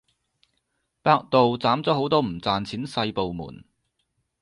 百度斬咗好多唔賺錢細部門